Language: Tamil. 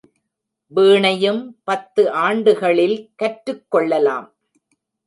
வீணையும் பத்து ஆண்டுகளில் கற்றுக் கொள்ளலாம்.